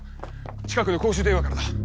近くの公衆電話からだ。